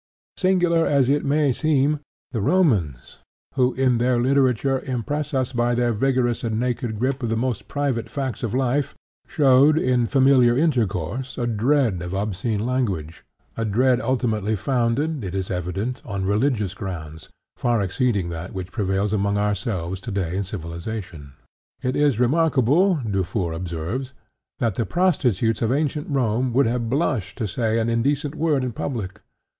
Singular as it may seem, the Romans, who in their literature impress us by their vigorous and naked grip of the most private facts of life, showed in familiar intercourse a dread of obscene language a dread ultimately founded, it is evident, on religious grounds far exceeding that which prevails among ourselves to day in civilization. "It is remarkable," Dufour observes, "that the prostitutes of ancient Rome would have blushed to say an indecent word in public.